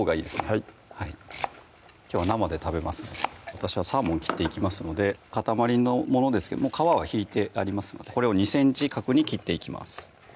はいきょうは生で食べますので私はサーモン切っていきますので塊のものですけど皮は引いてありますのでこれを２ｃｍ角に切っていきます